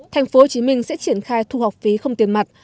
thành phố hồ chí minh sẽ triển khai thu học phí không tiền mặt